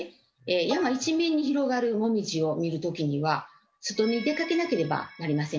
山一面に広がるもみじを見る時には外に出かけなければなりませんね。